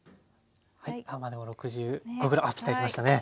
６５ｇぴったりいきましたね。